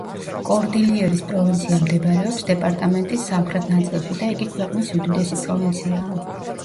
კორდილიერის პროვინცია მდებარეობს დეპარტამენტის სამხრეთ ნაწილში და იგი ქვეყნის უდიდესი პროვინციაა.